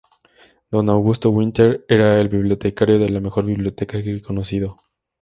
Don Augusto Winter era el bibliotecario de la mejor biblioteca que he conocido.